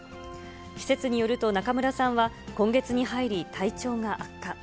施設によると中村さんは、今月に入り体調が悪化。